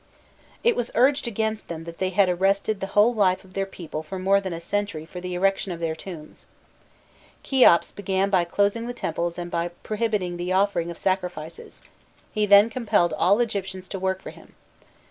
It was urged against them that they had arrested the whole life of their people for more than a century for the erection of their tombs. Kheops began by closing the temples and by prohibiting the offering of sacrifices: he then compelled all the Egyptians to work for him.